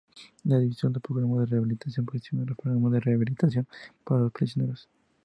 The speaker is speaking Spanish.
La División de Programas de Rehabilitación gestiona las programas de rehabilitación para los prisioneros.